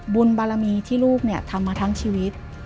บุญบารมีที่ลูกทำมาทั้งชีวิต